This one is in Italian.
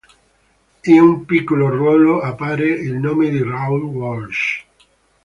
In un piccolo ruolo, appare il nome di Raoul Walsh.